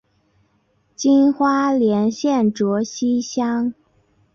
今花莲县卓溪乡。